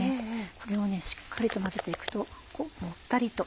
これをしっかりと混ぜて行くともったりと。